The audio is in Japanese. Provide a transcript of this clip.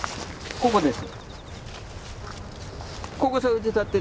ここです。